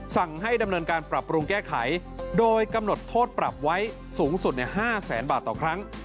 สั่งให้ดำเนินการปรับปรุงแก้ไขโดยกำหนดโทษปรับไว้สูงสุด๕แสนบาทต่อครั้ง